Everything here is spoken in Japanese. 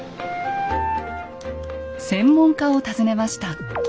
専門家を訪ねました。